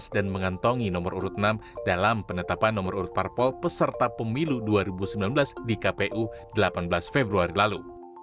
dan mengantongi nomor urut enam dalam penetapan nomor urut parpol peserta pemilu dua ribu sembilan belas di kpu delapan belas februari lalu